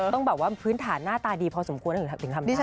ต้องแบบว่าพื้นฐานหน้าตาดีพอสมควรถึงทำได้